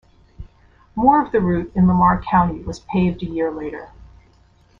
More of the route in Lamar County was paved a year later.